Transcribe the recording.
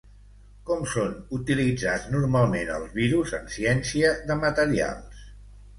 Com són utilitzats normalment els virus en ciència de materials?